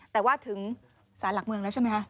แต่ว่าถึงสารหลักเมืองแล้วใช่ไหมคะ